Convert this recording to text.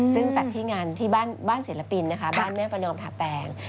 ซึ่งจัดที่งานที่บ้านศิลปินนะคะบ้านแม่ประนอมทาแปง